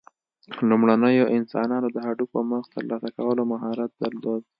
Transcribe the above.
لومړنیو انسانانو د هډوکو مغز ترلاسه کولو مهارت درلود.